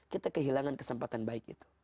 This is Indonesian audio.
kita kehilangan kesempatan baik itu